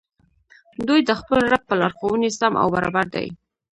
دوى د خپل رب په لارښووني سم او برابر دي